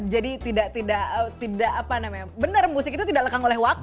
jadi tidak tidak apa namanya benar musik itu tidak lekang oleh waktu